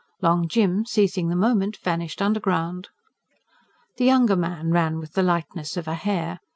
Long Jim, seizing the moment, vanished underground. The younger man ran with the lightness of a hare.